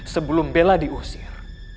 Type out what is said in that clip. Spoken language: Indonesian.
sebelum bella diusir